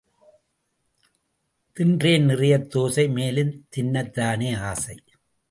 தின்றேன் நிறையத் தோசை—மேலும் தின்னத் தானே ஆசை.